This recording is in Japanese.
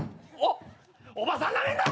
おばさんなめるな！